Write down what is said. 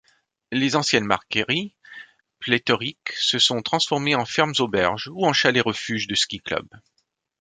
Les anciennes marcairies, pléthoriques, se sont transformées en fermes-auberges ou en chalet-refuge de ski-club.